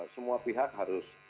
semua pihak harus